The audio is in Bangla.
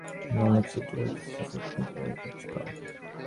আমি অনেক ছিদ্র করে দিছি যাতে তুমি পর্যাপ্ত বাতাস পাও।